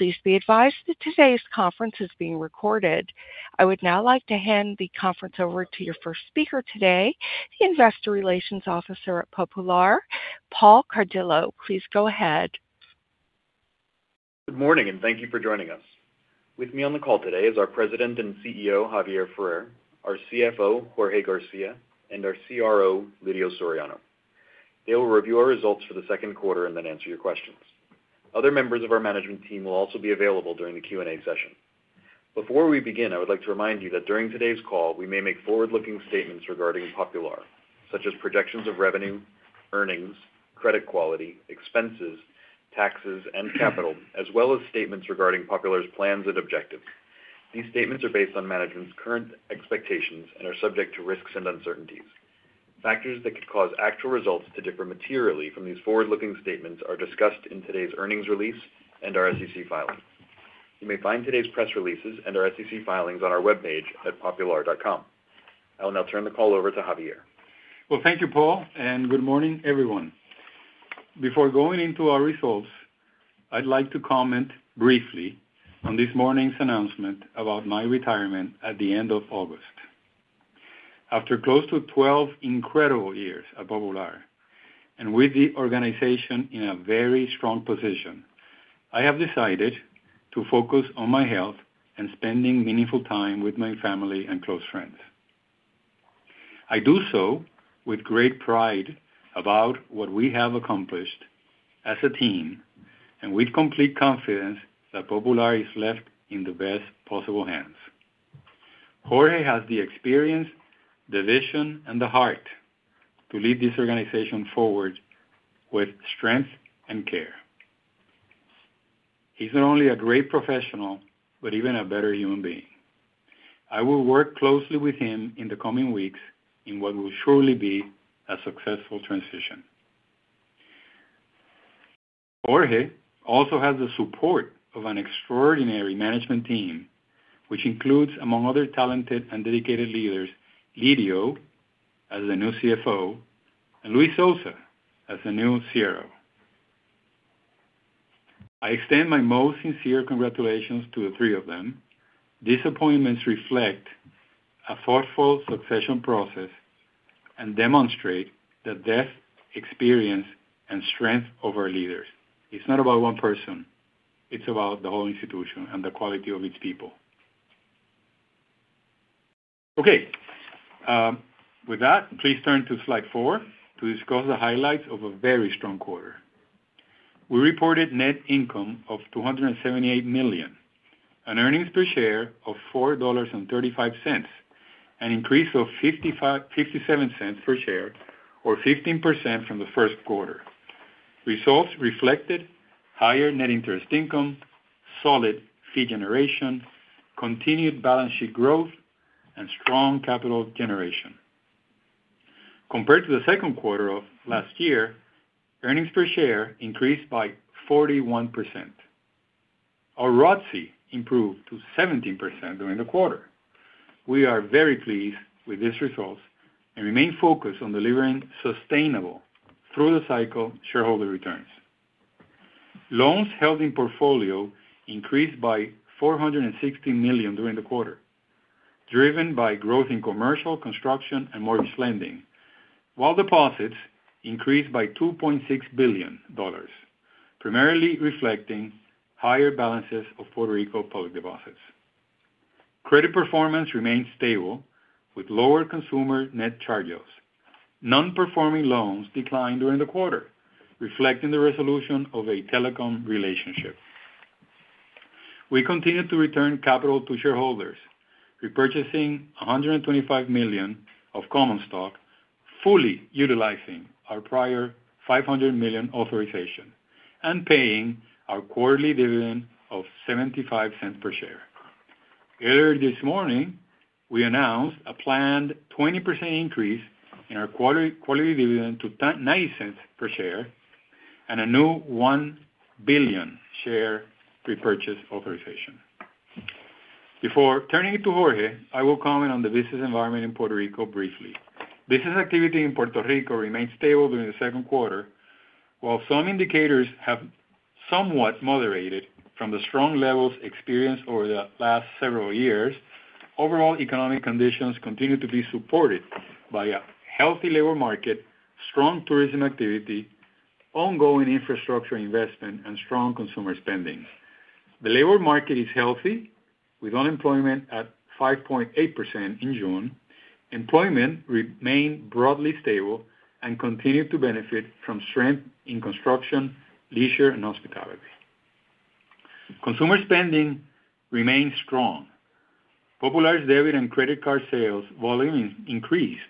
Please be advised that today's conference is being recorded. I would now like to hand the conference over to your first speaker today, the Investor Relations Officer at Popular, Paul Cardillo. Please go ahead. Good morning, thank you for joining us. With me on the call today is our President and CEO, Javier Ferrer, our CFO, Jorge García, and our CRO, Lidio Soriano. They will review our results for the second quarter and then answer your questions. Other members of our management team will also be available during the Q&A session. Before we begin, I would like to remind you that during today's call, we may make forward-looking statements regarding Popular, such as projections of revenue, earnings, credit quality, expenses, taxes, and capital, as well as statements regarding Popular's plans and objectives. These statements are based on management's current expectations and are subject to risks and uncertainties. Factors that could cause actual results to differ materially from these forward-looking statements are discussed in today's earnings release and our SEC filings. You may find today's press releases and our SEC filings on our webpage at popular.com. I will now turn the call over to Javier. Well, thank you, Paul, good morning, everyone. Before going into our results, I'd like to comment briefly on this morning's announcement about my retirement at the end of August. After close to 12 incredible years at Popular, and with the organization in a very strong position, I have decided to focus on my health and spending meaningful time with my family and close friends. I do so with great pride about what we have accomplished as a team and with complete confidence that Popular is left in the best possible hands. Jorge has the experience, the vision, and the heart to lead this organization forward with strength and care. He's not only a great professional, but even a better human being. I will work closely with him in the coming weeks in what will surely be a successful transition. Jorge also has the support of an extraordinary management team, which includes, among other talented and dedicated leaders, Lidio as the new CFO, and Luis Sousa as the new CRO. I extend my most sincere congratulations to the three of them. These appointments reflect a thoughtful succession process and demonstrate the depth, experience, and strength of our leaders. It's not about one person, it's about the whole institution and the quality of its people. With that, please turn to slide four to discuss the highlights of a very strong quarter. We reported net income of $278 million, an earnings per share of $4.35, an increase of $0.57 per share or 15% from the Q1. Results reflected higher net interest income, solid fee generation, continued balance sheet growth, and strong capital generation. Compared to the Q2 of last year, earnings per share increased by 41%. Our ROTCE improved to 17% during the quarter. We are very pleased with this result and remain focused on delivering sustainable through the cycle shareholder returns. Loans held in portfolio increased by $460 million during the quarter, driven by growth in commercial, construction, and mortgage lending. While deposits increased by $2.6 billion, primarily reflecting higher balances of Puerto Rico public deposits. Credit performance remained stable with lower consumer net charge-offs. Non-performing loans declined during the quarter, reflecting the resolution of a telecom relationship. We continued to return capital to shareholders, repurchasing $125 million of common stock, fully utilizing our prior $500 million authorization and paying our quarterly dividend of $0.75 per share. Earlier this morning, we announced a planned 20% increase in our quarterly dividend to $0.90 per share and a new $1 billion share repurchase authorization. Before turning it to Jorge, I will comment on the business environment in Puerto Rico briefly. Business activity in Puerto Rico remained stable during the Q2. While some indicators have somewhat moderated from the strong levels experienced over the last several years, overall economic conditions continue to be supported by a healthy labor market, strong tourism activity, ongoing infrastructure investment, and strong consumer spending. The labor market is healthy, with unemployment at 5.8% in June. Employment remained broadly stable and continued to benefit from strength in construction, leisure, and hospitality. Consumer spending remains strong. Popular debit and credit card sales volume increased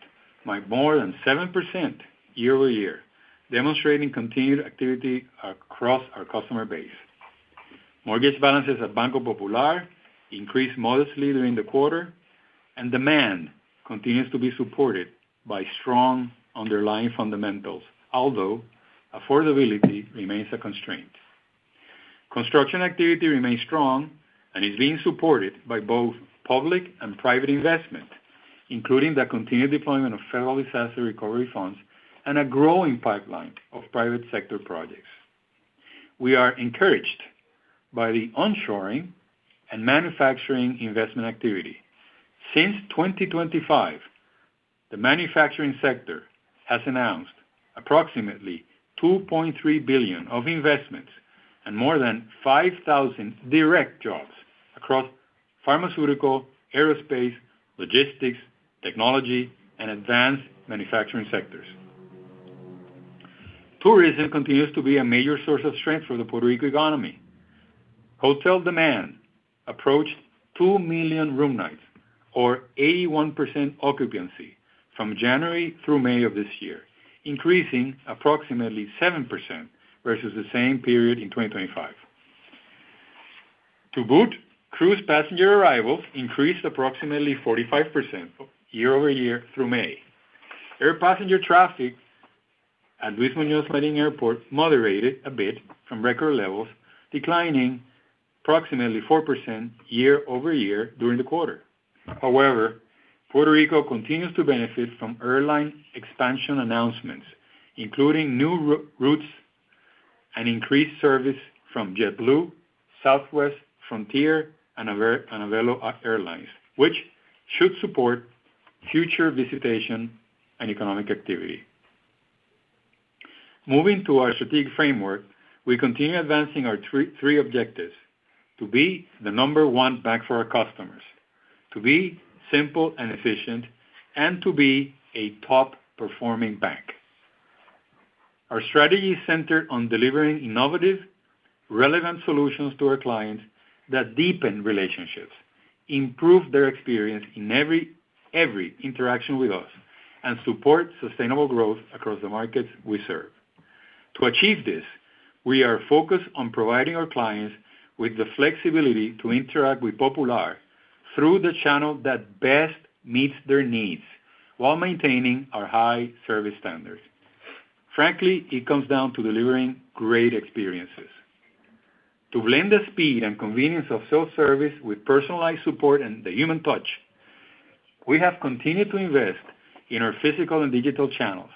by more than seven percent year-over-year, demonstrating continued activity across our customer base. Mortgage balances at Banco Popular increased modestly during the quarter. Demand continues to be supported by strong underlying fundamentals, although affordability remains a constraint. Construction activity remains strong and is being supported by both public and private investment including the continued deployment of federal disaster recovery funds and a growing pipeline of private sector projects. We are encouraged by the onshoring and manufacturing investment activity. Since 2025, the manufacturing sector has announced approximately $2.3 billion of investments and more than 5,000 direct jobs across pharmaceutical, aerospace, logistics, technology, and advanced manufacturing sectors. Tourism continues to be a major source of strength for the Puerto Rico economy. Hotel demand approached 2 million room nights, or 81% occupancy from January through May of this year, increasing approximately seven percent versus the same period in 2025. To boot, cruise passenger arrivals increased approximately 45% year-over-year through May. Air passenger traffic at Luis Muñoz Marín Airport moderated a bit from record levels, declining approximately four percent year-over-year during the quarter. However, Puerto Rico continues to benefit from airline expansion announcements, including new routes and increased service from JetBlue, Southwest, Frontier, and Avelo Airlines, which should support future visitation and economic activity. Moving to our strategic framework, we continue advancing our three objectives to be the number one bank for our customers, to be simple and efficient, and to be a top-performing bank. Our strategy is centered on delivering innovative, relevant solutions to our clients that deepen relationships, improve their experience in every interaction with us, and support sustainable growth across the markets we serve. To achieve this, we are focused on providing our clients with the flexibility to interact with Popular through the channel that best meets their needs while maintaining our high service standards. Frankly, it comes down to delivering great experiences. To blend the speed and convenience of self-service with personalized support and the human touch, we have continued to invest in our physical and digital channels.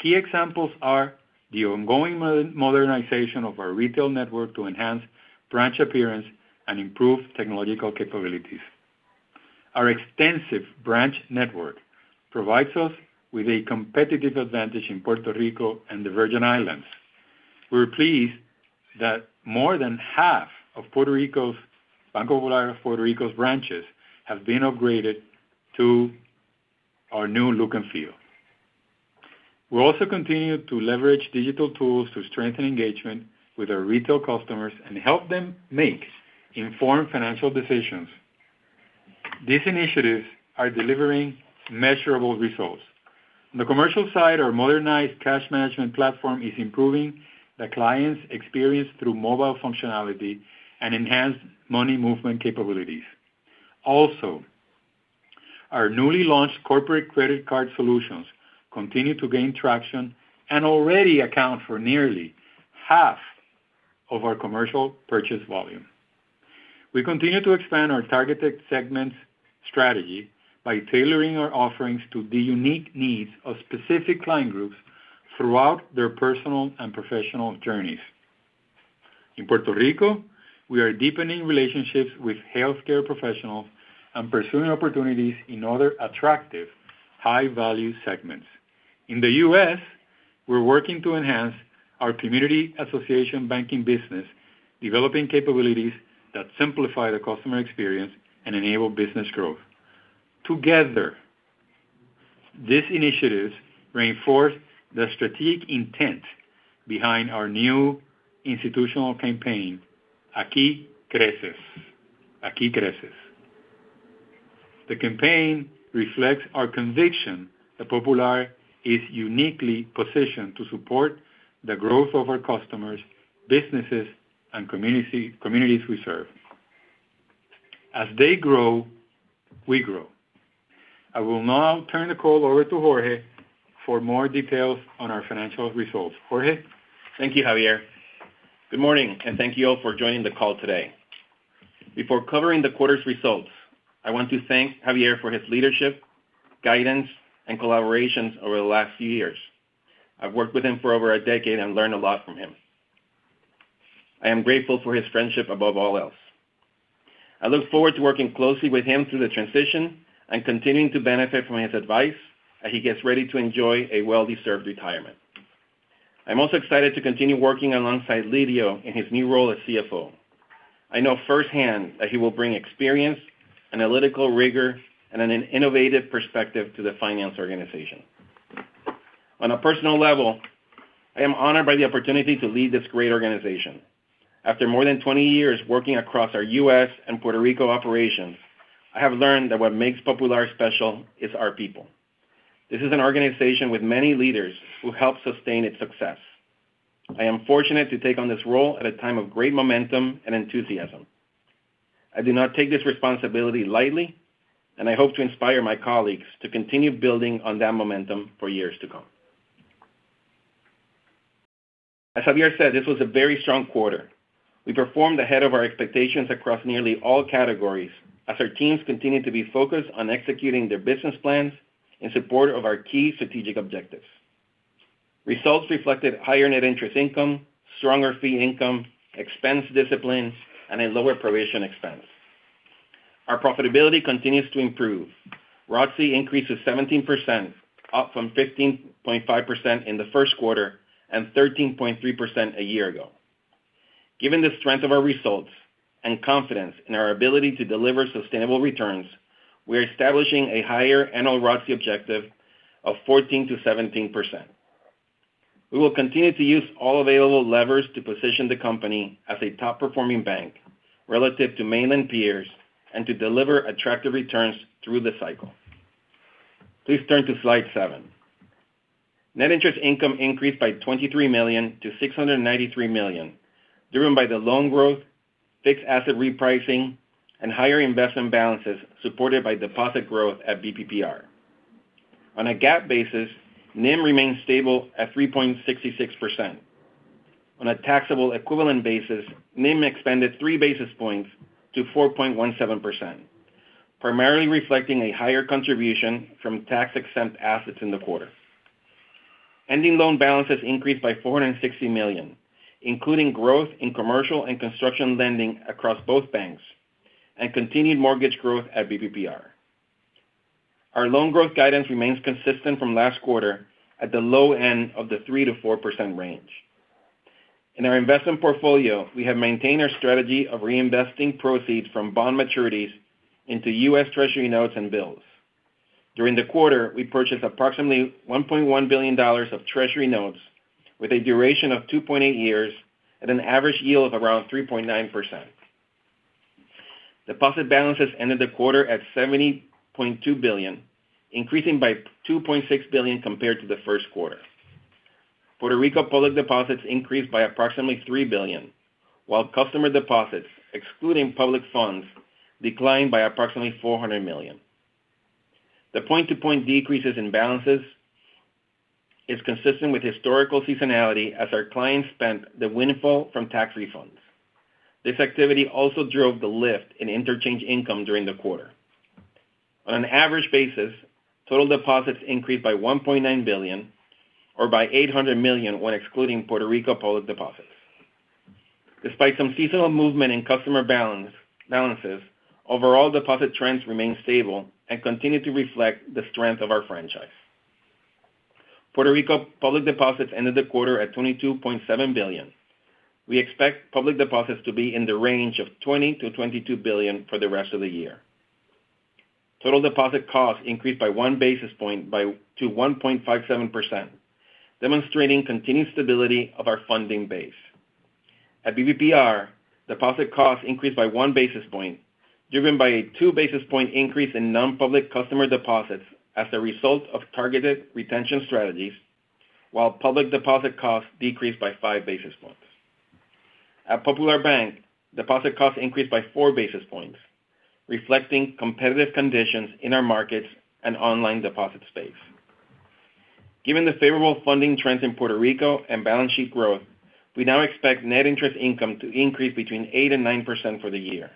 Key examples are the ongoing modernization of our retail network to enhance branch appearance and improve technological capabilities. Our extensive branch network provides us with a competitive advantage in Puerto Rico and the Virgin Islands. We're pleased that more than half of Banco Popular de Puerto Rico's branches have been upgraded to our new look and feel. We're also continuing to leverage digital tools to strengthen engagement with our retail customers and help them make informed financial decisions. These initiatives are delivering measurable results. On the commercial side, our modernized cash management platform is improving the client's experience through mobile functionality and enhanced money movement capabilities. Also, our newly launched corporate credit card solutions continue to gain traction and already account for nearly half of our commercial purchase volume. We continue to expand our targeted segments strategy by tailoring our offerings to the unique needs of specific client groups throughout their personal and professional journeys. In Puerto Rico, we are deepening relationships with healthcare professionals and pursuing opportunities in other attractive high-value segments. In the U.S., we're working to enhance our community association banking business, developing capabilities that simplify the customer experience and enable business growth. Together, these initiatives reinforce the strategic intent behind our new institutional campaign, Aquí Creces. The campaign reflects our conviction that Popular is uniquely positioned to support the growth of our customers, businesses, and communities we serve. As they grow, we grow. I will now turn the call over to Jorge for more details on our financial results. Jorge? Thank you, Javier. Good morning, and thank you all for joining the call today. Before covering the quarter's results, I want to thank Javier for his leadership, guidance, and collaborations over the last few years. I've worked with him for over a decade and learned a lot from him. I am grateful for his friendship above all else. I look forward to working closely with him through the transition and continuing to benefit from his advice as he gets ready to enjoy a well-deserved retirement. I'm also excited to continue working alongside Lidio in his new role as CFO. I know firsthand that he will bring experience, analytical rigor, and an innovative perspective to the finance organization. On a personal level, I am honored by the opportunity to lead this great organization. After more than 20 years working across our U.S. and Puerto Rico operations, I have learned that what makes Popular special is our people. This is an organization with many leaders who help sustain its success. I am fortunate to take on this role at a time of great momentum and enthusiasm. I do not take this responsibility lightly, and I hope to inspire my colleagues to continue building on that momentum for years to come. As Javier said, this was a very strong quarter. We performed ahead of our expectations across nearly all categories as our teams continued to be focused on executing their business plans in support of our key strategic objectives. Results reflected higher net interest income, stronger fee income, expense disciplines, and a lower provision expense. Our profitability continues to improve. ROTCE increased to 17%, up from 15.5% in the Q1, and 13.3% a year ago. Given the strength of our results and confidence in our ability to deliver sustainable returns, we are establishing a higher annual ROTCE objective of 14%-17%. We will continue to use all available levers to position the company as a top-performing bank relative to mainland peers, and to deliver attractive returns through the cycle. Please turn to slide seven. Net interest income increased by $23 million to $693 million, driven by the loan growth, fixed asset repricing, and higher investment balances supported by deposit growth at BPPR. On a GAAP basis, NIM remained stable at 3.66%. On a taxable equivalent basis, NIM expanded three basis points to 4.17%, primarily reflecting a higher contribution from tax-exempt assets in the quarter. Ending loan balances increased by $460 million, including growth in commercial and construction lending across both banks, and continued mortgage growth at BPPR. Our loan growth guidance remains consistent from last quarter at the low end of the three percent-four percent range. In our investment portfolio, we have maintained our strategy of reinvesting proceeds from bond maturities into U.S. Treasury notes and bills. During the quarter, we purchased approximately $1.1 billion of Treasury notes with a duration of 2.8 years at an average yield of around 3.9%. Deposit balances ended the quarter at $70.2 billion, increasing by $2.6 billion compared to the Q1. Puerto Rico public deposits increased by approximately $3 billion, while customer deposits, excluding public funds, declined by approximately $400 million. The point-to-point decreases in balances is consistent with historical seasonality as our clients spent the windfall from tax refunds. This activity also drove the lift in interchange income during the quarter. On an average basis, total deposits increased by $1.9 billion, or by $800 million when excluding Puerto Rico public deposits. Despite some seasonal movement in customer balances, overall deposit trends remain stable and continue to reflect the strength of our franchise. Puerto Rico public deposits ended the quarter at $22.7 billion. We expect public deposits to be in the range of $20 billion-$22 billion for the rest of the year. Total deposit costs increased by one basis point to 1.57%, demonstrating continued stability of our funding base. At BPPR, deposit costs increased by one basis point, driven by a two basis point increase in non-public customer deposits as a result of targeted retention strategies, while public deposit costs decreased by five basis points. At Popular Bank, deposit costs increased by four basis points, reflecting competitive conditions in our markets and online deposit space. Given the favorable funding trends in Puerto Rico and balance sheet growth, we now expect net interest income to increase between eight percent and nine percent for the year.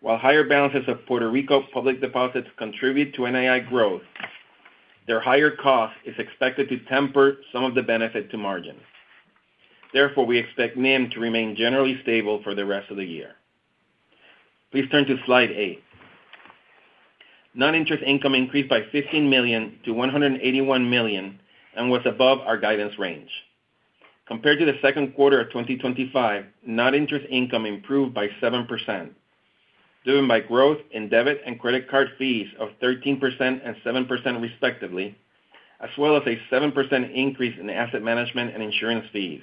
While higher balances of Puerto Rico public deposits contribute to NII growth, their higher cost is expected to temper some of the benefit to margins. Therefore, we expect NIM to remain generally stable for the rest of the year. Please turn to slide eight. Non-interest income increased by $15 million to $181 million and was above our guidance range. Compared to the second quarter of 2025, non-interest income improved by seven percent, driven by growth in debit and credit card fees of 13% and seven percent respectively, as well as a seven percent increase in asset management and insurance fees,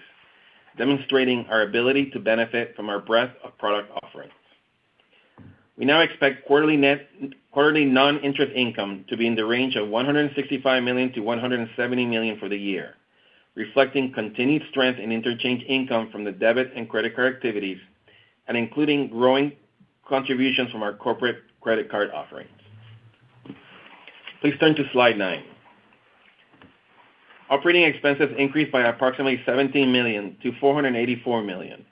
demonstrating our ability to benefit from our breadth of product offerings. We now expect quarterly non-interest income to be in the range of $165 million-$170 million for the year, reflecting continued strength in interchange income from the debit and credit card activities and including growing contributions from our corporate credit card offerings. Please turn to slide nine. Operating expenses increased by approximately $17 million to $484 million.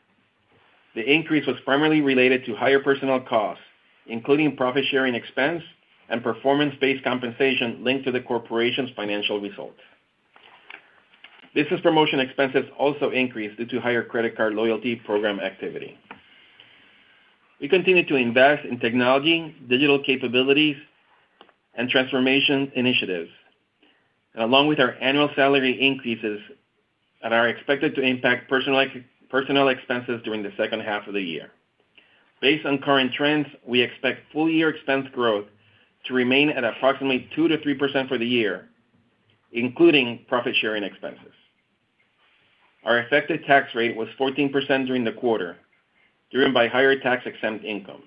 The increase was primarily related to higher personnel costs, including profit-sharing expense and performance-based compensation linked to the corporation's financial results. Business promotion expenses also increased due to higher credit card loyalty program activity. We continue to invest in technology, digital capabilities, and transformation initiatives, along with our annual salary increases that are expected to impact personnel expenses during the second half of the year. Based on current trends, we expect full-year expense growth to remain at approximately two percent - three percent for the year, including profit-sharing expenses. Our effective tax rate was 14% during the quarter, driven by higher tax-exempt income.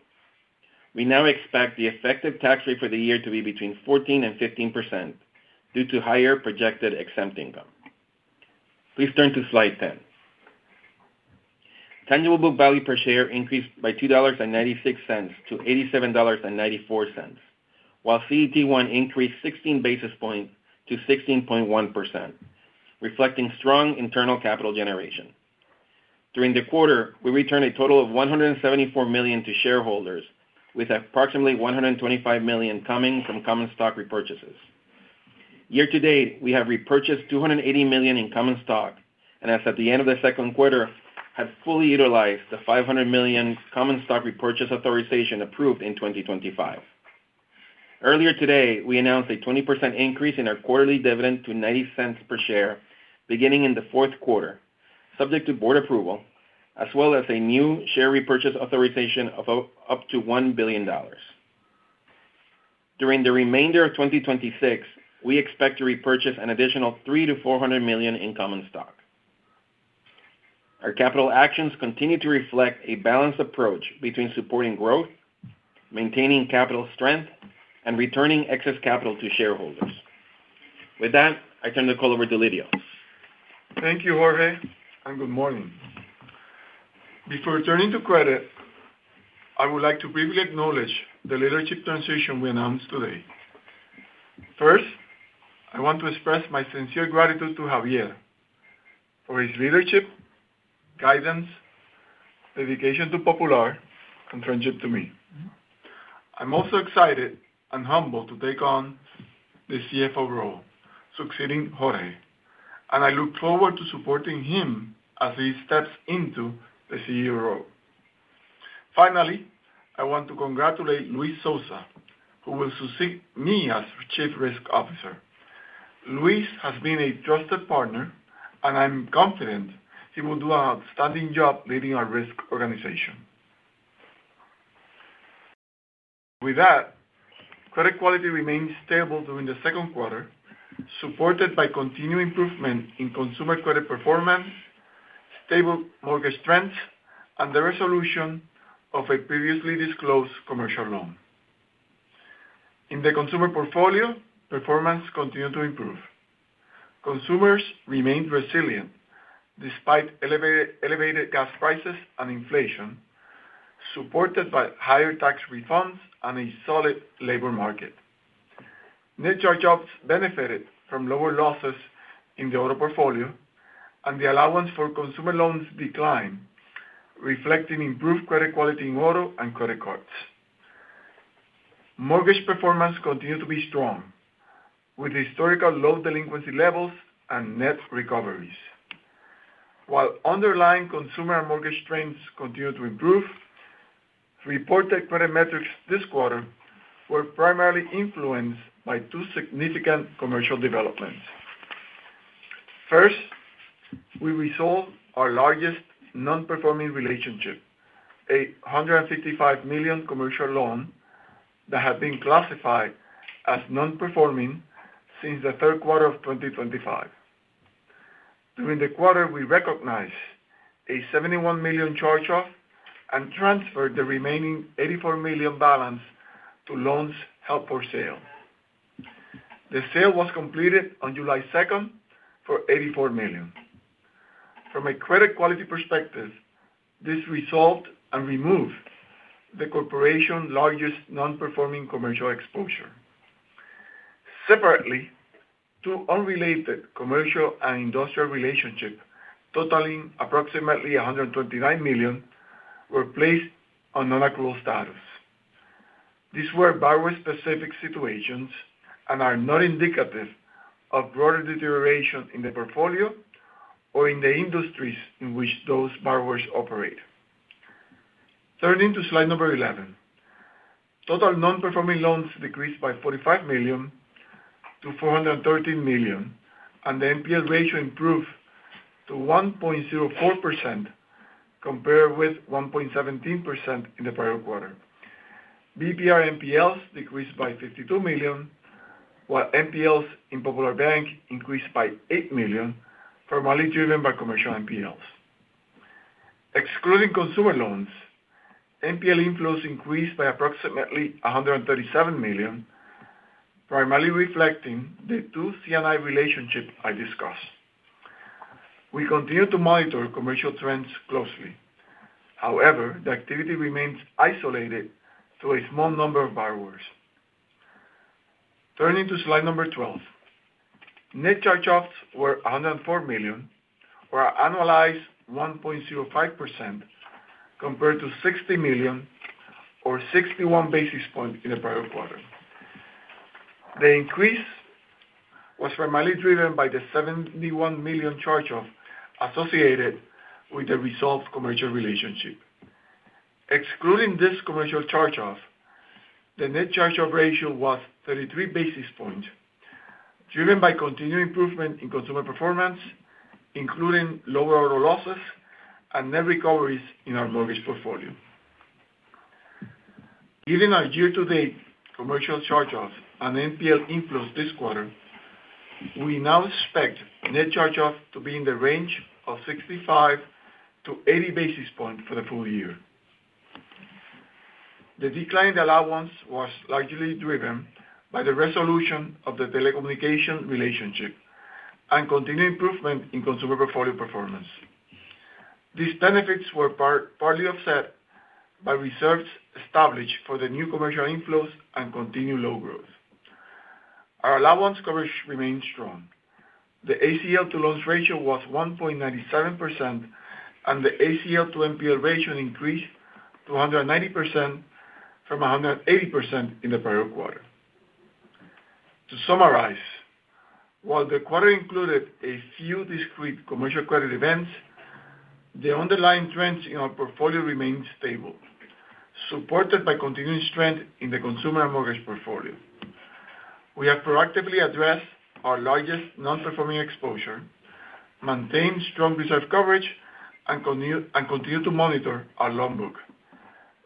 We now expect the effective tax rate for the year to be between 14% and 15% due to higher projected exempt income. Please turn to slide 10. Tangible book value per share increased by $2.96 to $87.94, while CET1 increased 16 basis points to 16.1%, reflecting strong internal capital generation. During the quarter, we returned a total of $174 million to shareholders, with approximately $125 million coming from common stock repurchases. Year to date, we have repurchased $280 million in common stock, and as of the end of the Q2, have fully utilized the $500 million common stock repurchase authorization approved in 2025. Earlier today, we announced a 20% increase in our quarterly dividend to $0.90 per share beginning in the Q4, subject to board approval, as well as a new share repurchase authorization of up to $1 billion. During the remainder of 2026, we expect to repurchase an additional $300 million-$400 million in common stock. Our capital actions continue to reflect a balanced approach between supporting growth, maintaining capital strength, and returning excess capital to shareholders. With that, I turn the call over to Lidio. Thank you, Jorge, and good morning. Before turning to credit, I would like to briefly acknowledge the leadership transition we announced today. First, I want to express my sincere gratitude to Javier for his leadership, guidance, dedication to Popular, and friendship to me. I'm also excited and humbled to take on the CFO role, succeeding Jorge, and I look forward to supporting him as he steps into the CEO role. Finally, I want to congratulate Luis Sousa, who will succeed me as Chief Risk Officer. Luis has been a trusted partner, and I'm confident he will do an outstanding job leading our risk organization. With that, credit quality remained stable during the Q2, supported by continued improvement in consumer credit performance, stable mortgage trends, and the resolution of a previously disclosed commercial loan. In the consumer portfolio, performance continued to improve. Consumers remained resilient despite elevated gas prices and inflation, supported by higher tax refunds and a solid labor market. Net charge-offs benefited from lower losses in the auto portfolio and the allowance for consumer loans decline, reflecting improved credit quality in auto and credit cards. Mortgage performance continued to be strong, with historical low delinquency levels and net recoveries. While underlying consumer mortgage trends continue to improve, reported credit metrics this quarter were primarily influenced by two significant commercial developments. First, we resolved our largest non-performing relationship, a $155 million commercial loan that had been classified as non-performing since the Q2 of 2025. During the quarter, we recognized a $71 million charge-off and transferred the remaining $84 million balance to loans held for sale. The sale was completed on July 2nd for $84 million. From a credit quality perspective, this resolved and removed the corporation's largest non-performing commercial exposure. Separately, two unrelated commercial and industrial relationships totaling approximately $129 million were placed on non-accrual status. These were borrower-specific situations and are not indicative of broader deterioration in the portfolio or in the industries in which those borrowers operate. Turning to slide number 11. Total non-performing loans decreased by $45 million to $413 million, and the NPL ratio improved to 1.04%, compared with 1.17% in the prior quarter. BPPR NPLs decreased by $52 million, while NPLs in Popular Bank increased by $8 million, primarily driven by commercial NPLs. Excluding consumer loans, NPL inflows increased by approximately $137 million, primarily reflecting the two C&I relationships I discussed. We continue to monitor commercial trends closely. However, the activity remains isolated to a small number of borrowers. Turning to slide number 12. Net charge-offs were $104 million, or an annualized 1.05%, compared to $60 million or 61 basis points in the prior quarter. The increase was primarily driven by the $71 million charge-off associated with the resolved commercial relationship. Excluding this commercial charge-off, the net charge-off ratio was 33 basis points, driven by continued improvement in consumer performance, including lower auto losses and net recoveries in our mortgage portfolio. Given our year-to-date commercial charge-offs and NPL inflows this quarter, we now expect net charge-off to be in the range of 65-80 basis points for the full year. The decline in the allowance was largely driven by the resolution of the telecommunication relationship and continued improvement in consumer portfolio performance. These benefits were partly offset by reserves established for the new commercial inflows and continued low growth. Our allowance coverage remained strong. The ACL to loss ratio was 1.97%, and the ACL to NPL ratio increased to 190% from 180% in the prior quarter. To summarize, while the quarter included a few discrete commercial credit events, the underlying trends in our portfolio remained stable, supported by continued strength in the consumer mortgage portfolio. We have proactively addressed our largest non-performing exposure, maintained strong reserve coverage, and continued to monitor our loan book.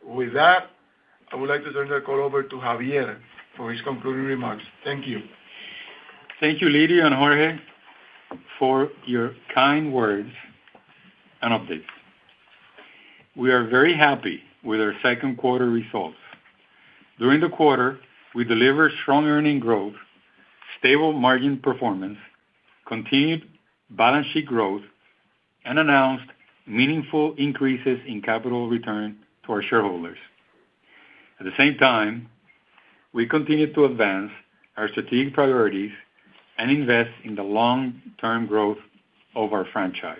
With that, I would like to turn the call over to Javier for his concluding remarks. Thank you. Thank you, Lidio and Jorge, for your kind words and updates. We are very happy with our Q2 results. During the quarter, we delivered strong earning growth, stable margin performance, continued balance sheet growth, and announced meaningful increases in capital return to our shareholders. At the same time, we continued to advance our strategic priorities and invest in the long-term growth of our franchise.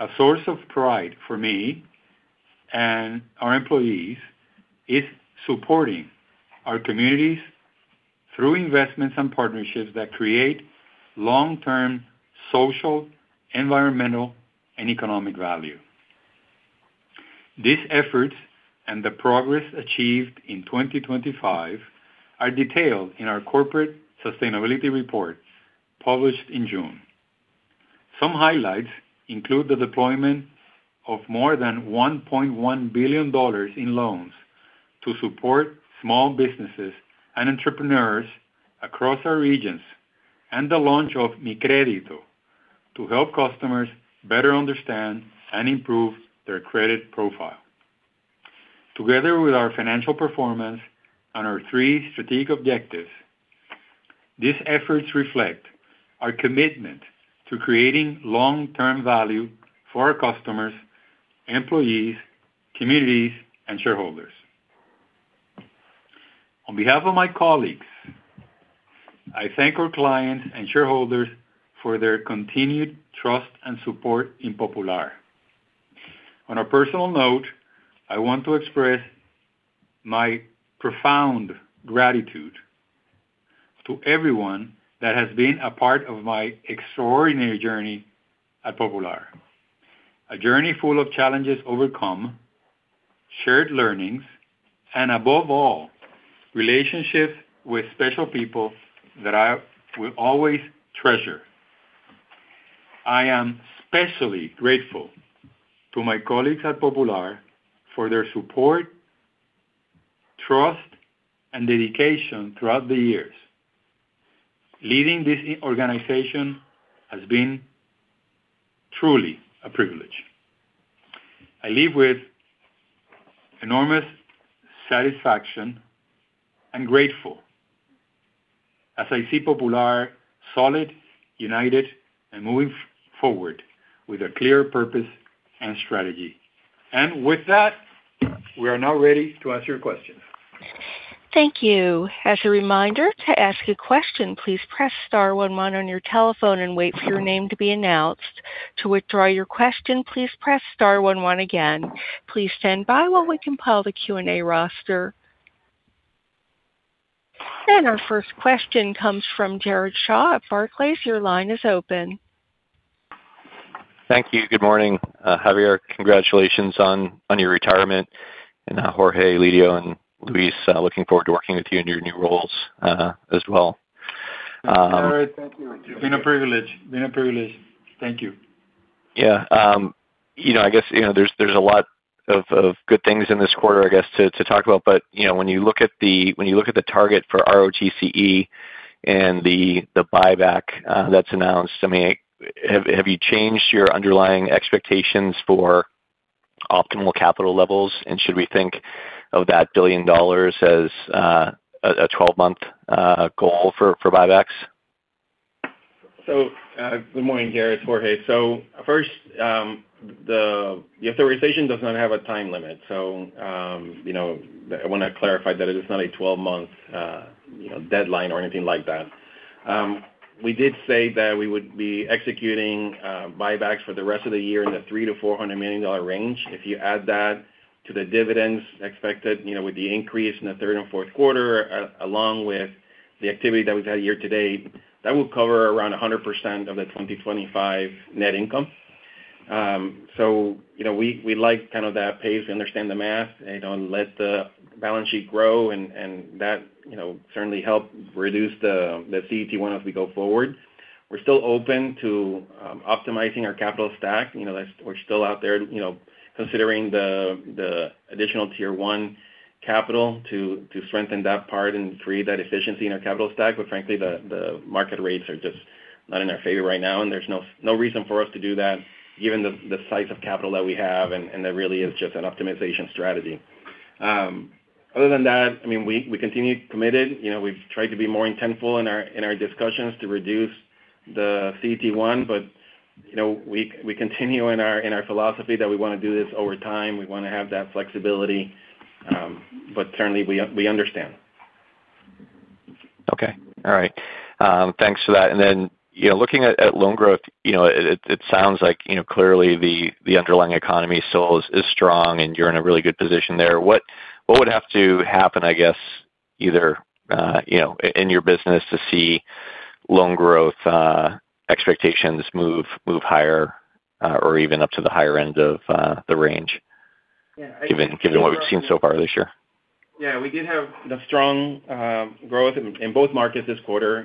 A source of pride for me and our employees is supporting our communities through investments and partnerships that create long-term social, environmental, and economic value. These efforts and the progress achieved in 2025 are detailed in our corporate sustainability report published in June. Some highlights include the deployment of more than $1.1 billion in loans to support small businesses and entrepreneurs across our regions, and the launch of Mi Crédito to help customers better understand and improve their credit profile. Together with our financial performance and our three strategic objectives, these efforts reflect our commitment to creating long-term value for our customers, employees, communities, and shareholders. On behalf of my colleagues, I thank our clients and shareholders for their continued trust and support in Popular. On a personal note, I want to express my profound gratitude to everyone that has been a part of my extraordinary journey at Popular. A journey full of challenges overcome, shared learnings, and above all, relationships with special people that I will always treasure. I am especially grateful to my colleagues at Popular for their support, trust, and dedication throughout the years. Leading this organization has been truly a privilege. I leave with enormous satisfaction and grateful as I see Popular solid, united, and moving forward with a clear purpose and strategy. With that, we are now ready to answer your questions. Thank you. As a reminder, to ask a question, please press star one one on your telephone and wait for your name to be announced. To withdraw your question, please press star one one again. Please stand by while we compile the Q&A roster. Our first question comes from Jared Shaw of Barclays. Your line is open. Thank you. Good morning. Javier, congratulations on your retirement, and Jorge, Lidio, and Luis, looking forward to working with you in your new roles as well. Jared, thank you. It's been a privilege. Thank you. Yeah. I guess there's a lot of good things in this quarter, I guess, to talk about. When you look at the target for ROTCE and the buyback that's announced, have you changed your underlying expectations for optimal capital levels? Should we think of that $1 billion as a 12-month goal for buybacks? Good morning, Jared. It's Jorge. First, the authorization does not have a time limit. I want to clarify that it is not a 12-month deadline or anything like that. We did say that we would be executing buybacks for the rest of the year in the $300 million-$400 million range. If you add that to the dividends expected with the increase in the Q3 and Q4, along with the activity that we've had year to date, that will cover around 100% of the 2025 net income. We like that pace. We understand the math and let the balance sheet grow, and that certainly help reduce the CET1 as we go forward. We're still open to optimizing our capital stack. We're still out there considering the additional tier 1 capital to strengthen that part and free that efficiency in our capital stack. Frankly, the market rates are just not in our favor right now, there's no reason for us to do that given the size of capital that we have, that really is just an optimization strategy. Other than that, we continue committed. We've tried to be more intentful in our discussions to reduce the CET1, we continue in our philosophy that we want to do this over time. We want to have that flexibility. Certainly, we understand. Okay. All right. Thanks for that. Looking at loan growth, it sounds like clearly the underlying economy still is strong, you're in a really good position there. What would have to happen, I guess, either in your business to see loan growth expectations move higher, or even up to the higher end of the range given what we've seen so far this year? Yeah, we did have the strong growth in both markets this quarter.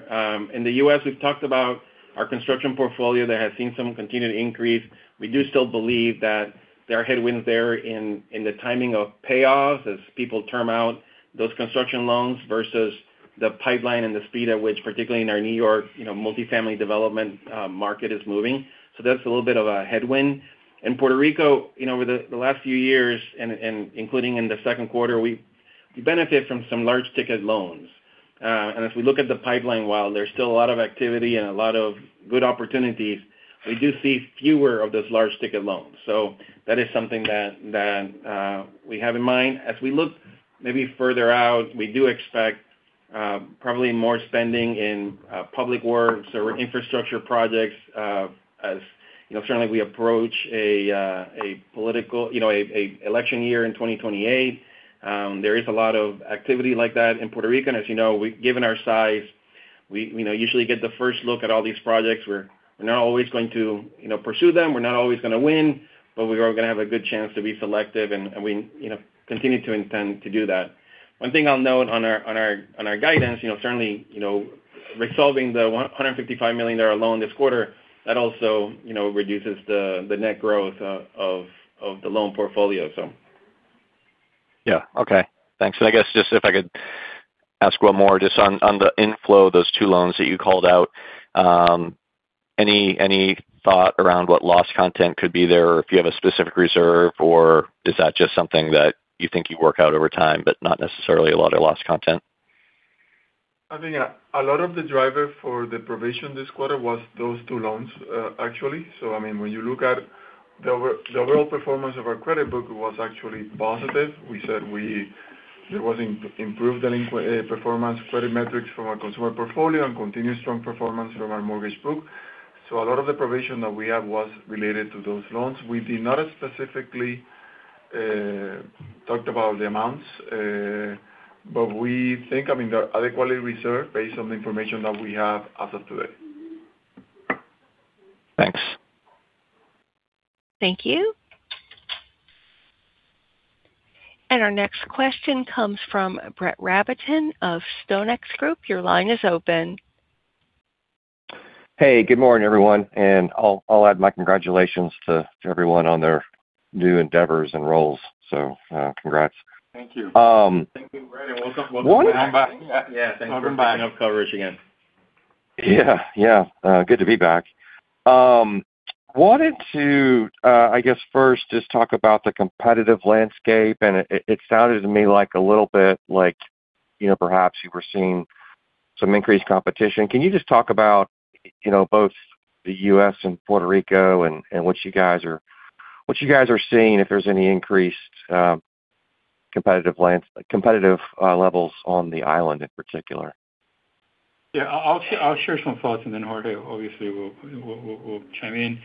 In the U.S., we've talked about our construction portfolio that has seen some continued increase. We do still believe that there are headwinds there in the timing of payoffs as people term out those construction loans versus the pipeline and the speed at which, particularly in our New York multifamily development market is moving. That's a little bit of a headwind. In Puerto Rico, over the last few years, including in the Q2, we benefit from some large ticket loans. If we look at the pipeline, while there's still a lot of activity and a lot of good opportunities, we do see fewer of those large ticket loans. That is something that we have in mind. As we look maybe further out, we do expect probably more spending in public works or infrastructure projects as certainly we approach an election year in 2028. There is a lot of activity like that in Puerto Rico. As you know, given our size, we usually get the first look at all these projects. We're not always going to pursue them. We're not always going to win, we are going to have a good chance to be selective, we continue to intend to do that. One thing I'll note on our guidance, certainly, resolving the $155 million loan this quarter, that also reduces the net growth of the loan portfolio. Yeah. Okay. Thanks. I guess just if I could ask one more just on the inflow of those two loans that you called out. Any thought around what loss content could be there, or if you have a specific reserve, or is that just something that you think you work out over time, but not necessarily a lot of loss content? I think a lot of the driver for the provision this quarter was those two loans, actually. When you look at the overall performance of our credit book was actually positive. We said there was improved delinquent performance credit metrics from our consumer portfolio and continued strong performance from our mortgage book. A lot of the provision that we have was related to those loans. We did not specifically talk about the amounts. We think they're adequately reserved based on the information that we have as of today. Thanks. Thank you. Our next question comes from Brett Rabatin of StoneX Group. Your line is open. Hey, good morning, everyone. I'll add my congratulations to everyone on their new endeavors and roles. Congrats. Thank you. Thank you, Brett. Welcome back. Yeah. Thanks for picking up coverage again. Yeah. Good to be back. Wanted to, I guess first just talk about the competitive landscape, and it sounded to me like a little bit like perhaps you were seeing some increased competition. Can you just talk about both the U.S. and Puerto Rico and what you guys are seeing, if there's any increased competitive levels on the island in particular? Yeah, I'll share some thoughts, and then Jorge obviously will chime in.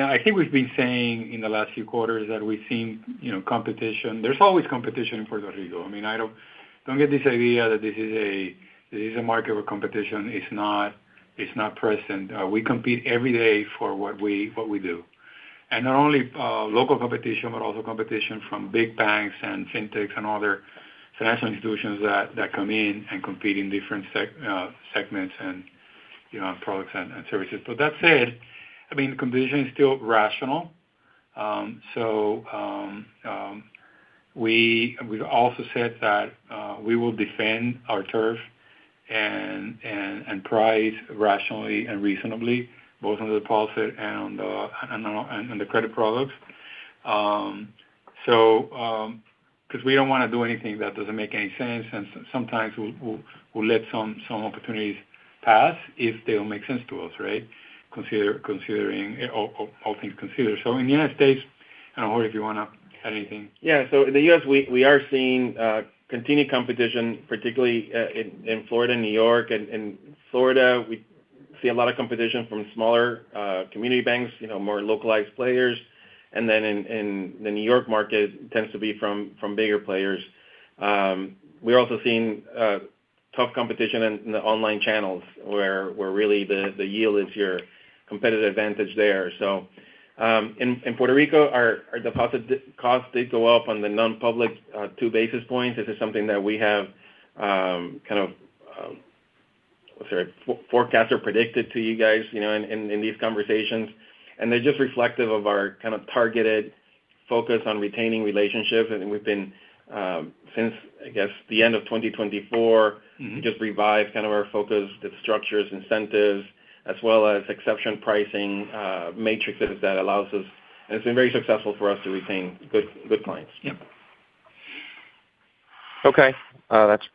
I think we've been saying in the last few quarters that we've seen competition. There's always competition in Puerto Rico. Don't get this idea that this is a market where competition is not present. We compete every day for what we do. Not only local competition, but also competition from big banks and fintechs and other financial institutions that come in and compete in different segments and products and services. That said, competition is still rational. We've also said that we will defend our turf and price rationally and reasonably, both on the deposit and on the credit products. Because we don't want to do anything that doesn't make any sense, and sometimes we'll let some opportunities pass if they don't make sense to us, right? All things considered. In the U.S., I don't know, Jorge, if you want to add anything. Yeah. In the U.S., we are seeing continued competition, particularly in Florida, New York. In Florida, we see a lot of competition from smaller community banks, more localized players. In the New York market, it tends to be from bigger players. We're also seeing tough competition in the online channels, where really the yield is your competitive advantage there. In Puerto Rico, our deposit costs did go up on the non-public two basis points. This is something that we have kind of forecast or predicted to you guys in these conversations. They're just reflective of our kind of targeted focus on retaining relationships. We've been since, I guess the end of 2024- just revised kind of our focus, the structures, incentives, as well as exception pricing matrices that allows us And it's been very successful for us to retain good clients. Yeah. Okay.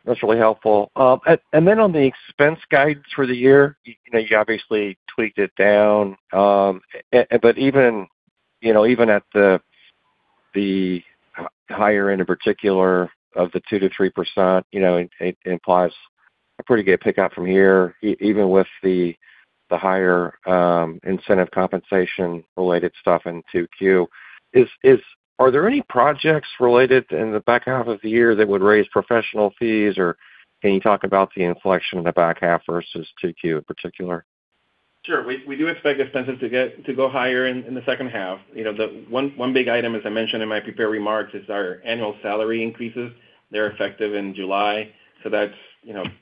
That's really helpful. On the expense guides for the year, you obviously tweaked it down. Even at the higher end, in particular, of the two percent- three percent, it implies a pretty good pick-up from here, even with the higher incentive compensation-related stuff in 2Q. Are there any projects related in the back half of the year that would raise professional fees, or can you talk about the inflection in the back half versus 2Q in particular? Sure. We do expect expenses to go higher in the second half. One big item, as I mentioned in my prepared remarks, is our annual salary increases. They're effective in July, so that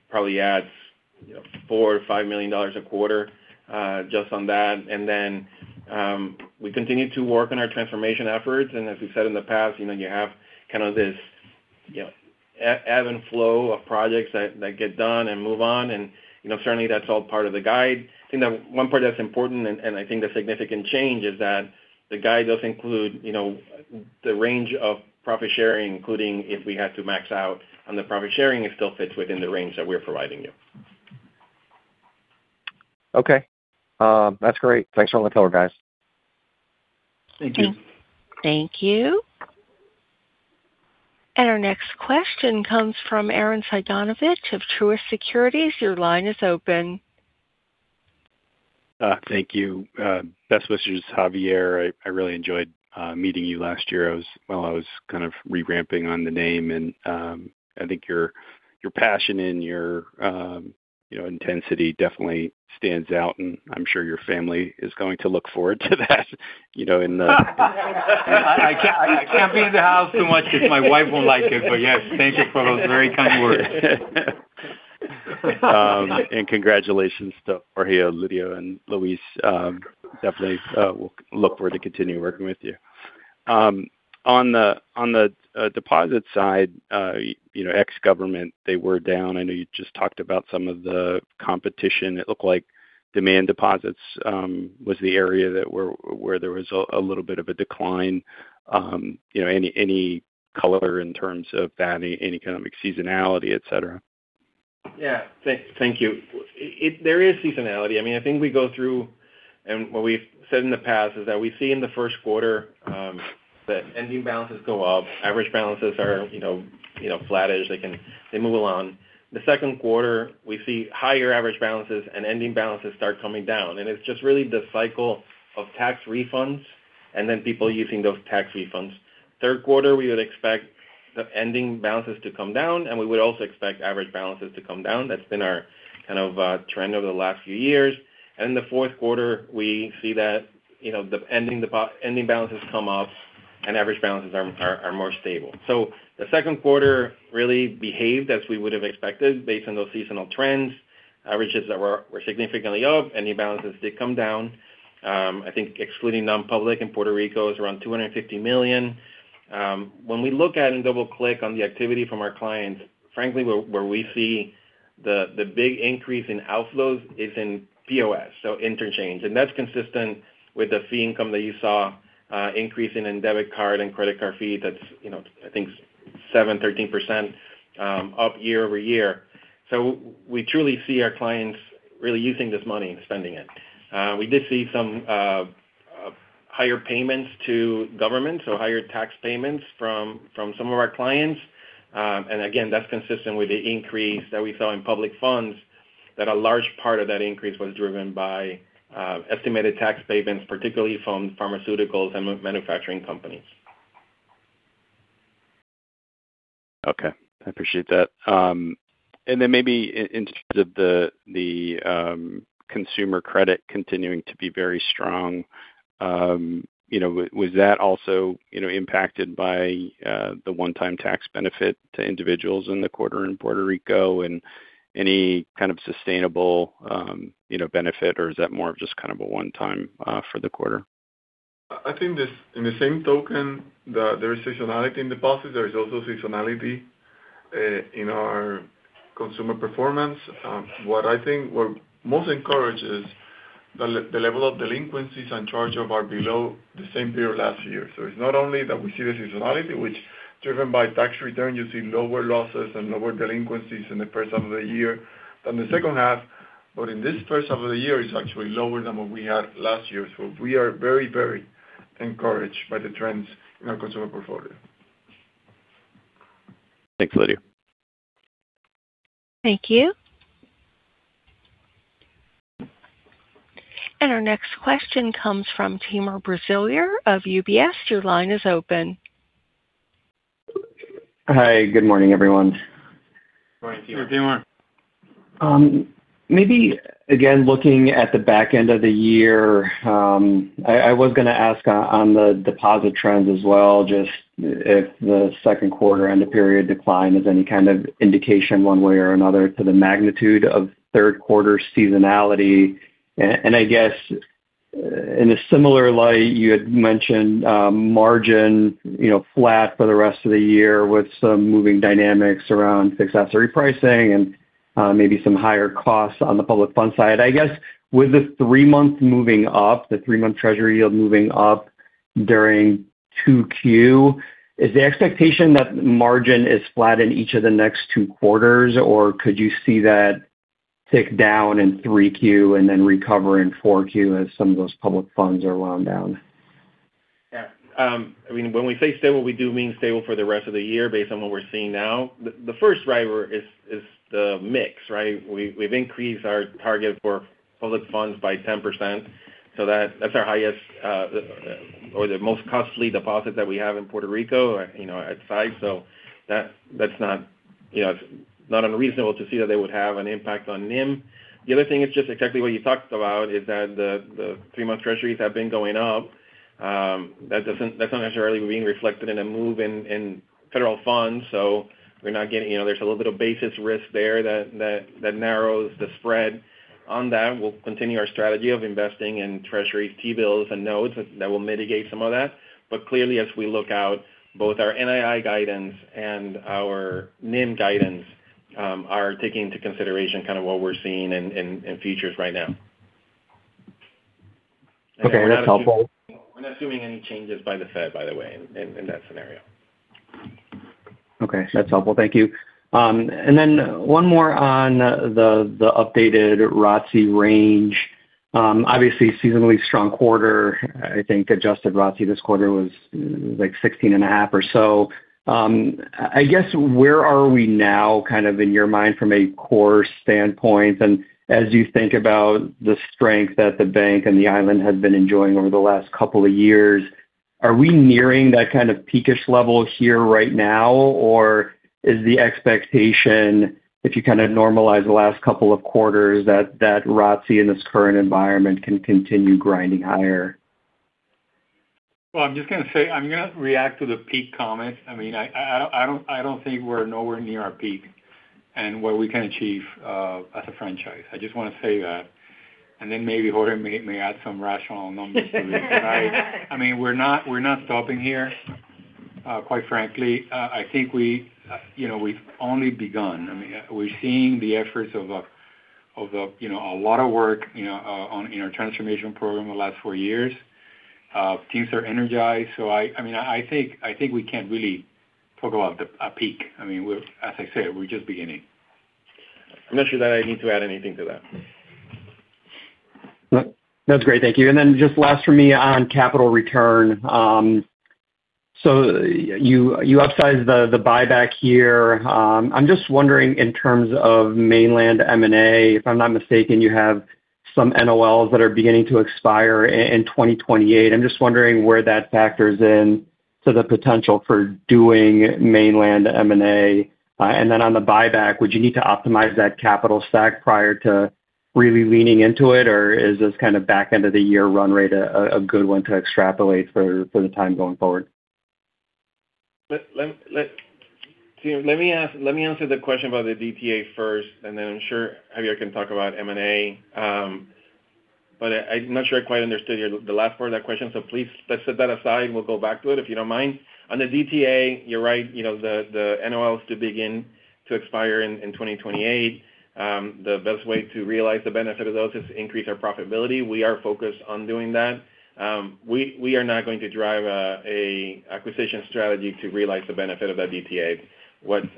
probably adds $4 million or $5 million a quarter just on that. We continue to work on our transformation efforts. As we said in the past, you have kind of this ebb and flow of projects that get done and move on, and certainly that's all part of the guide. I think that one part that's important and I think the significant change is that the guide does include the range of profit-sharing, including if we had to max out on the profit-sharing, it still fits within the range that we're providing you. Okay. That's great. Thanks for all the color, guys. Thank you. Thank you. Thank you. Our next question comes from Arren Cyganovich of Truist Securities. Your line is open. Thank you. Best wishes, Javier. I really enjoyed meeting you last year while I was kind of re-ramping on the name. I think your passion and your intensity definitely stands out, and I'm sure your family is going to look forward to that. I can't be in the house too much because my wife won't like it. Yes, thank you for those very kind words. Congratulations to Jorge, Lidio, and Luis. Definitely look forward to continuing working with you. On the deposit side, ex-government, they were down. I know you just talked about some of the competition. It looked like demand deposits was the area where there was a little bit of a decline. Any color in terms of that, any economic seasonality, et cetera? Thank you. There is seasonality. What we've said in the past is that we see in the Q1 that ending balances go up. Average balances are flattish. They move along. Q2, we see higher average balances and ending balances start coming down, and it's just really the cycle of tax refunds and then people using those tax refunds. Third quarter, we would expect the ending balances to come down, and we would also expect average balances to come down. That's been our kind of trend over the last few years. In the Q4, we see that the ending balances come up and average balances are more stable. The Q2 really behaved as we would have expected based on those seasonal trends. Averages were significantly up. Ending balances did come down. I think excluding non-public and Puerto Rico is around $250 million. We look at and double-click on the activity from our clients, frankly, where we see the big increase in outflows is in POS, so interchange. That's consistent with the fee income that you saw increase in debit card and credit card fee. That's I think seven, 13% up year over year. We truly see our clients really using this money and spending it. We did see some higher payments to government, so higher tax payments from some of our clients. Again, that's consistent with the increase that we saw in public funds, that a large part of that increase was driven by estimated tax payments, particularly from pharmaceuticals and manufacturing companies. I appreciate that. Then maybe in terms of the consumer credit continuing to be very strong, was that also impacted by the one-time tax benefit to individuals in the quarter in Puerto Rico and any kind of sustainable benefit, or is that more of just kind of a one-time for the quarter? I think in the same token that there is seasonality in deposits, there is also seasonality in our consumer performance. What I think we're most encouraged is the level of delinquencies and charge-off are below the same period last year. It's not only that we see the seasonality, which driven by tax return, you see lower losses and lower delinquencies in the first half of the year than the second half. In this first half of the year, it's actually lower than what we had last year. We are very encouraged by the trends in our consumer portfolio. Thanks, Lidio. Thank you. Our next question comes from Timur Braziler of UBS. Your line is open. Hi. Good morning, everyone. Morning, Timur. Timur. Looking at the back end of the year, I was going to ask on the deposit trends as well, just if the Q2 end of period decline is any kind of indication one way or another to the magnitude of Q3 seasonality. I guess in a similar light, you had mentioned margin flat for the rest of the year with some moving dynamics around fixed asset repricing and Maybe some higher costs on the public fund side. I guess with the three-month U.S. Treasury yield moving up during 2Q, is the expectation that margin is flat in each of the next two quarters or could you see that tick down in 3Q and then recover in 4Q as some of those public funds are wound down? Yeah. When we say stable, we do mean stable for the rest of the year based on what we're seeing now. The first driver is the mix, right? We've increased our target for public funds by 10%, so that's our highest or the most costly deposit that we have in Puerto Rico at size. That's not unreasonable to see that they would have an impact on NIM. The other thing is just exactly what you talked about, is that the three-month U.S. Treasuries have been going up. That's not necessarily being reflected in a move in federal funds. We're not getting there's a little bit of basis risk there that narrows the spread on that. We'll continue our strategy of investing in U.S. Treasuries, T-bills, and notes that will mitigate some of that. Clearly, as we look out, both our NII guidance and our NIM guidance are taking into consideration what we're seeing in futures right now. Okay. That's helpful. We're not assuming any changes by the Fed, by the way, in that scenario. Okay. That's helpful. Thank you. Then one more on the updated ROTCE range. Obviously a seasonally strong quarter. I think adjusted ROTCE this quarter was, like, 16.5 or so. I guess where are we now in your mind from a core standpoint? As you think about the strength that the bank and the island has been enjoying over the last two years, are we nearing that kind of peakish level here right now? Or is the expectation, if you normalize the last two quarters, that ROTCE in this current environment can continue grinding higher? Well, I'm just going to say, I'm going to react to the peak comment. I don't think we're nowhere near our peak and what we can achieve as a franchise. I just want to say that. Then maybe Jorge may add some rational numbers to it. We're not stopping here, quite frankly. I think we've only begun. We're seeing the efforts of a lot of work in our transformation program the last four years. Teams are energized. I think we can't really talk about a peak. As I said, we're just beginning. I'm not sure that I need to add anything to that. That's great. Thank you. Just last from me on capital return. You upsized the buyback here. I'm just wondering in terms of mainland M&A, if I'm not mistaken, you have some NOLs that are beginning to expire in 2028. I'm just wondering where that factors into the potential for doing mainland M&A. On the buyback, would you need to optimize that capital stack prior to really leaning into it? Or is this kind of back end of the year run rate a good one to extrapolate for the time going forward? Let me answer the question about the DTA first, and then I'm sure Javier can talk about M&A. I'm not sure I quite understood the last part of that question, so please let's set that aside and we'll go back to it if you don't mind. On the DTA, you're right, the NOLs do begin to expire in 2028. The best way to realize the benefit of those is to increase our profitability. We are focused on doing that. We are not going to drive an acquisition strategy to realize the benefit of that DTA.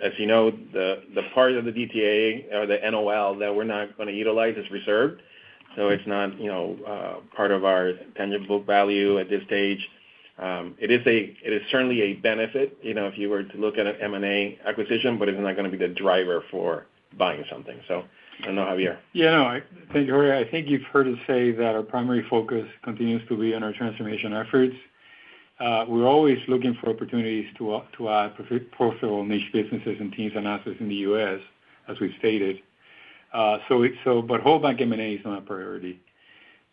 As you know, the part of the DTA or the NOL that we're not going to utilize is reserved. It's not part of our tangible book value at this stage. It is certainly a benefit, if you were to look at an M&A acquisition, but it's not going to be the driver for buying something. I don't know, Javier. I think, Jorge, I think you've heard us say that our primary focus continues to be on our transformation efforts. We're always looking for opportunities to add profitable niche businesses and teams and assets in the U.S., as we've stated. Whole bank M&A is not a priority.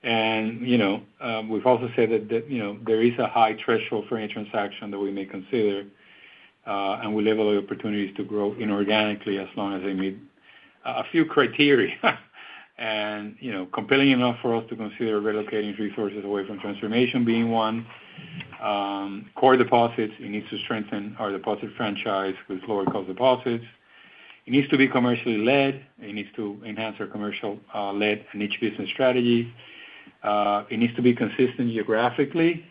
We've also said that there is a high threshold for any transaction that we may consider. We level the opportunities to grow inorganically as long as they meet a few criteria and compelling enough for us to consider relocating resources away from transformation being one. Core deposits, it needs to strengthen our deposit franchise with lower cost deposits. It needs to be commercially led. It needs to enhance our commercial-led niche business strategy. It needs to be consistent geographically,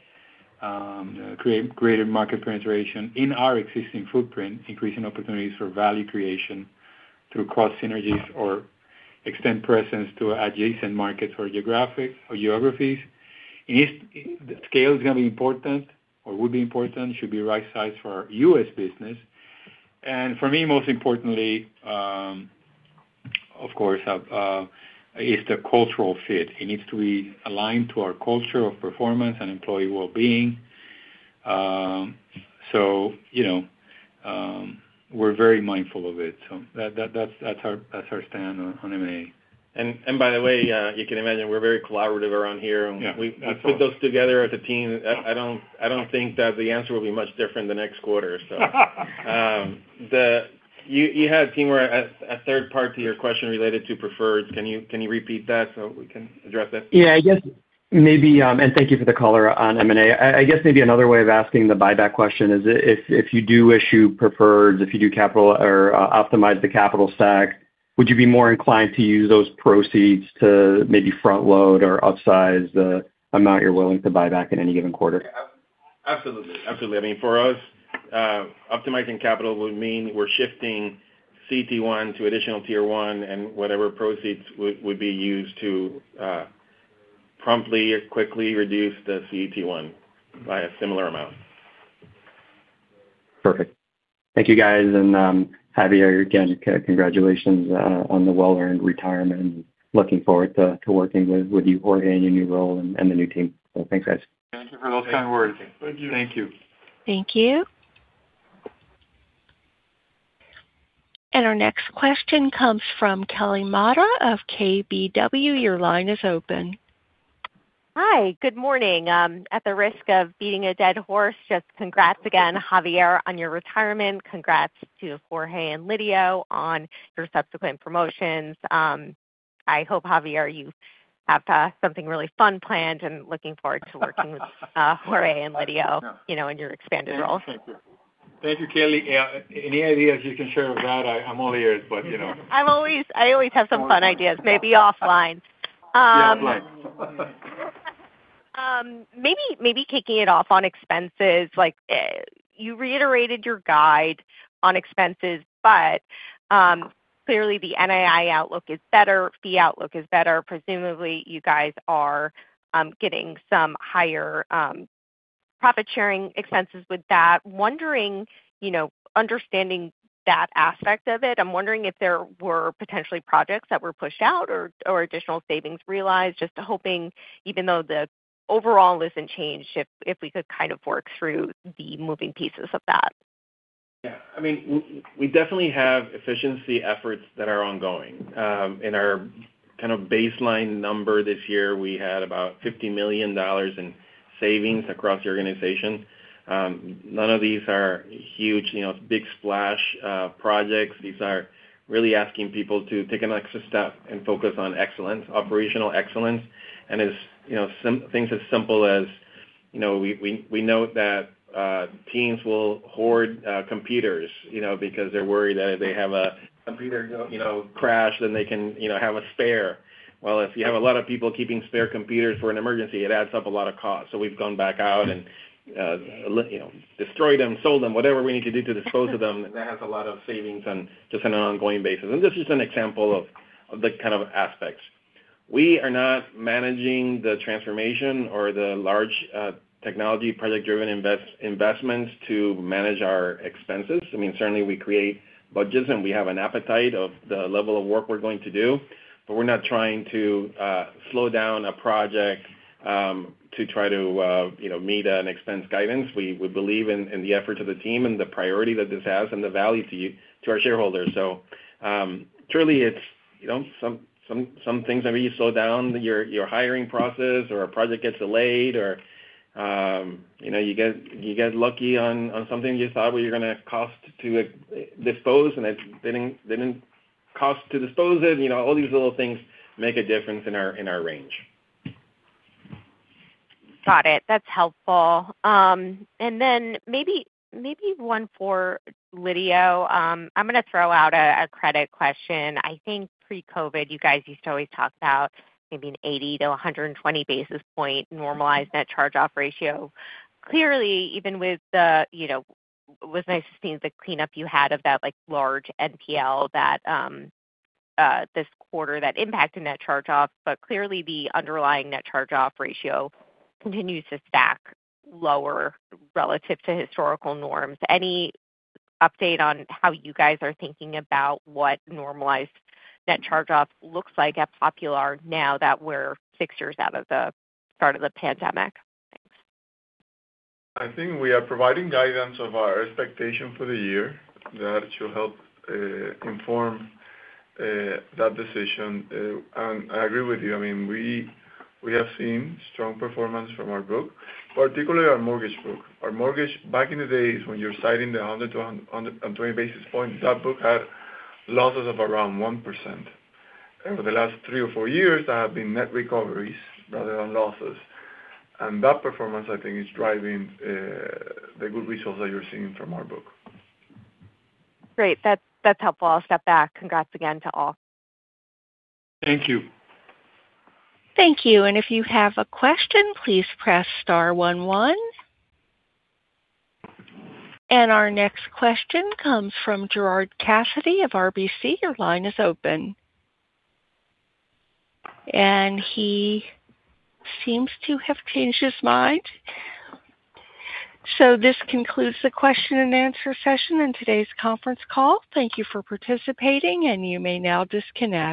create greater market penetration in our existing footprint, increasing opportunities for value creation through cost synergies or extend presence to adjacent markets or geographies. The scale is going to be important or would be important, should be right size for our U.S. business. For me, most importantly, of course, is the cultural fit. It needs to be aligned to our culture of performance and employee wellbeing. We're very mindful of it. That's our stand on M&A. By the way you can imagine we're very collaborative around here. Absolutely. We put those together as a team. I don't think that the answer will be much different the next quarter. You had, Timur, a third part to your question related to preferred. Can you repeat that so we can address that? Yeah. Maybe, thank you for the color on M&A. I guess maybe another way of asking the buyback question is if you do issue preferreds, if you do optimize the capital stack, would you be more inclined to use those proceeds to maybe front-load or upsize the amount you're willing to buy back in any given quarter? Absolutely. For us, optimizing capital would mean we're shifting CET1 to additional Tier 1, whatever proceeds would be used to promptly or quickly reduce the CET1 by a similar amount. Perfect. Thank you, guys. Javier, again, congratulations on the well-earned retirement, looking forward to working with you, Jorge, in your new role and the new team. Thanks, guys. Thank you for those kind words. Thank you. Thank you. Thank you. Our next question comes from Kelly Motta of KBW. Your line is open. Hi, good morning. At the risk of beating a dead horse, just congrats again, Javier, on your retirement. Congrats to Jorge and Lidio on your subsequent promotions. I hope, Javier, you have something really fun planned and looking forward to working with Jorge and Lidio in your expanded role. Thank you. Thank you, Kelly. Any ideas you can share of that, I'm all ears, you know. I always have some fun ideas, maybe offline. Yeah, offline. Maybe kicking it off on expenses. You reiterated your guide on expenses, but clearly the NII outlook is better, fee outlook is better. Presumably, you guys are getting some higher profit-sharing expenses with that. Understanding that aspect of it, I'm wondering if there were potentially projects that were pushed out or additional savings realized, just hoping, even though the overall list unchanged, if we could kind of work through the moving pieces of that. Yeah. We definitely have efficiency efforts that are ongoing. In our kind of baseline number this year, we had about $50 million in savings across the organization. None of these are huge, big splash projects. These are really asking people to take an extra step and focus on excellence, operational excellence, and things as simple as we know that teams will hoard computers because they're worried that if they have a computer crash, then they can have a spare. Well, if you have a lot of people keeping spare computers for an emergency, it adds up a lot of cost. We've gone back out and destroyed them, sold them, whatever we need to do to dispose of them, and that has a lot of savings on just an ongoing basis. This is an example of the kind of aspects. We are not managing the transformation or the large technology project-driven investments to manage our expenses. Certainly we create budgets and we have an appetite of the level of work we're going to do, but we're not trying to slow down a project to try to meet an expense guidance. We believe in the efforts of the team and the priority that this has and the value to our shareholders. Truly it's some things, maybe you slow down your hiring process or a project gets delayed or you get lucky on something you thought where you're going to cost to dispose and it didn't cost to dispose of. All these little things make a difference in our range. Got it. That's helpful. Then maybe one for Lidio. I'm going to throw out a credit question. I think pre-COVID, you guys used to always talk about maybe an 80 to 120 basis point normalized net charge-off ratio. Clearly, even with nice things like cleanup you had of that large NPL this quarter that impacted net charge-offs, but clearly the underlying net charge-off ratio continues to stack lower relative to historical norms. Any update on how you guys are thinking about what normalized net charge-off looks like at Popular now that we're six years out of the start of the pandemic? Thanks. I think we are providing guidance of our expectation for the year that should help inform that decision. I agree with you. We have seen strong performance from our book, particularly our mortgage book. Our mortgage back in the days when you're citing the 100 - 120 basis points, that book had losses of around one percent. Over the last three or four years, that have been net recoveries rather than losses. That performance, I think, is driving the good results that you're seeing from our book. Great. That's helpful. I'll step back. Congrats again to all. Thank you. Thank you. If you have a question, please press star one one. Our next question comes from Gerard Cassidy of RBC. Your line is open. He seems to have changed his mind. This concludes the question and answer session in today's conference call. Thank you for participating, and you may now disconnect.